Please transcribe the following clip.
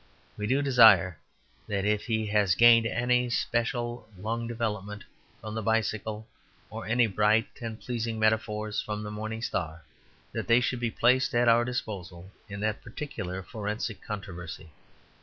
We do desire that if he has gained any especial lung development from the bicycle, or any bright and pleasing metaphors from the morning star, that the should be placed at our disposal in that particular forensic controversy.